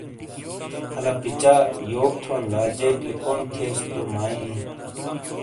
الا پچا یوک تھون لا جیک لکھون تھیئس تو مائی ایں ۔